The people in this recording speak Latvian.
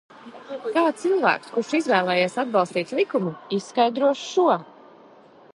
Kā cilvēks, kurš izvēlējies atbalstīt likumu, izskaidros šo?